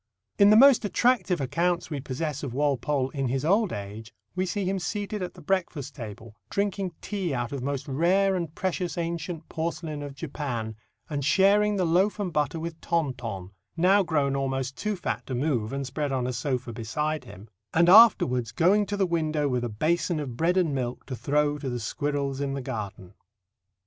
'" In the most attractive accounts we possess of Walpole in his old age, we see him seated at the breakfast table, drinking tea out of "most rare and precious ancient porcelain of Japan," and sharing the loaf and butter with Tonton (now grown almost too fat to move, and spread on a sofa beside him), and afterwards going to the window with a basin of bread and milk to throw to the squirrels in the garden.